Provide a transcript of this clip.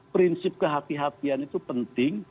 prinsip kehati hatian itu penting